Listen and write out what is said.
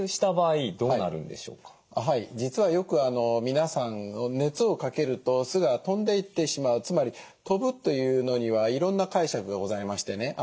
実はよく皆さん熱をかけると酢が飛んでいってしまうつまり飛ぶというのにはいろんな解釈がございましてね